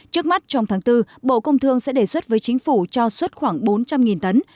trước mắt trong tháng bốn bộ công thương sẽ đề xuất với chính phủ cho xuất khoảng bốn trăm linh tấn